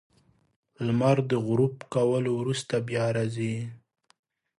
• لمر د غروب کولو وروسته بیا راځي.